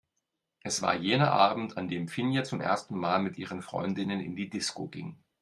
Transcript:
Es war jener Abend, an dem Finja zum ersten Mal mit ihren Freundinnen in die Disco ging.